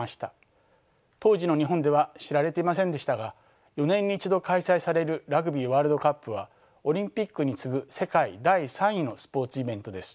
当時の日本では知られていませんでしたが４年に一度開催されるラグビーワールドカップはオリンピックに次ぐ世界第３位のスポーツイベントです。